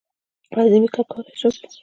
ایا زه میک اپ کولی شم؟